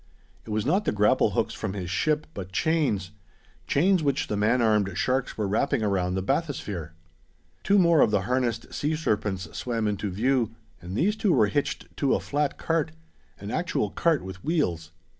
It was not the grapple hooks from his ship, but chains chains which the man armed sharks were wrapping around the bathysphere. Two more of the harnessed sea serpents swam into view, and these two were hitched to a flat cart: an actual cart with wheels.